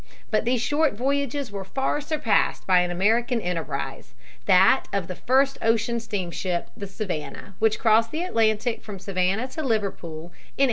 But these short voyages were far surpassed by an American enterprise, that of the first ocean steamship, the Savannah, which crossed the Atlantic from Savannah to Liverpool in 1819.